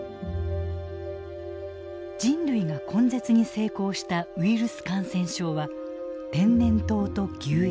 人類が根絶に成功したウイルス感染症は天然痘と牛疫